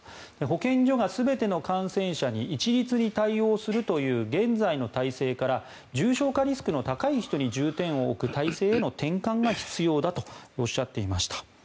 保健所が全ての感染者に一律に対応するという現在の体制から重症化リスクの高い人に重点を置く体制への転換が必要だとおっしゃっていました。